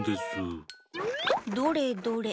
どれどれ？